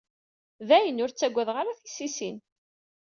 Dayen, ur ttagadeɣ ara tisisin.